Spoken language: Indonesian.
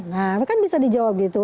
nah kan bisa dijawab gitu